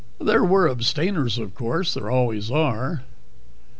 There were abstainers, of course. There always are.